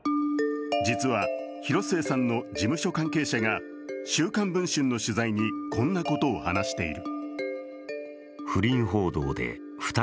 実は広末さんの事務所関係者が「週刊文春」の取材にこんなことを話している。